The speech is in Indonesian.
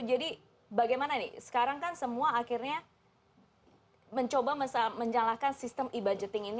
jadi bagaimana nih sekarang kan semua akhirnya mencoba menjalankan sistem e budgeting ini